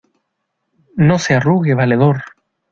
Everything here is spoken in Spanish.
¡ no se arrugue, valedor!...